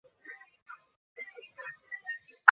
কুকুরকে আপনি ভালো প্রশিক্ষণ দিয়েছেন।